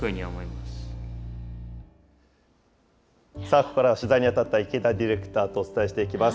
ここからは取材に当たった池田ディレクターとお伝えしていきます。